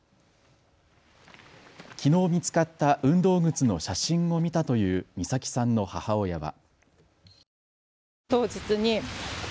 きのう見つかった運動靴の写真を見たという美咲さんの母親は。